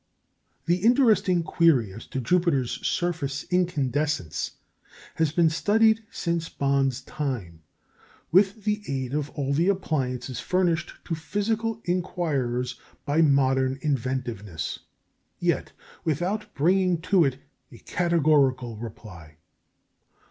The interesting query as to Jupiter's surface incandescence has been studied since Bond's time with the aid of all the appliances furnished to physical inquirers by modern inventiveness, yet without bringing to it a categorical reply.